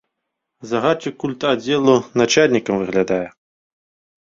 Загадчык культаддзелу начальнікам выглядае.